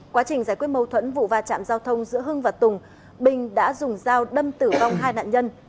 quá trình giải quyết mâu thuẫn vụ va chạm giao thông giữa hưng và tùng bình đã dùng dao đâm tử vong hai nạn nhân